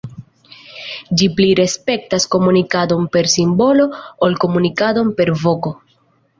Ĝi pli respektas komunikadon per simbolo ol komunikadon per voĉo.